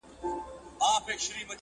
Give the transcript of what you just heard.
لنډۍ په غزل کي، څلورمه برخه.!